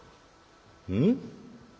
「うん？